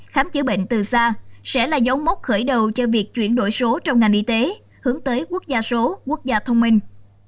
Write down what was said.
khám chữa bệnh từ xa sẽ là dấu mốc khởi đầu cho việc chuyển đổi số trong ngành y tế hướng tới quốc gia số quốc gia thông minh